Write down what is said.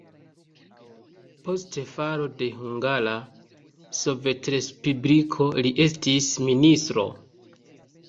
Post falo de Hungara Sovetrespubliko li estis ministro.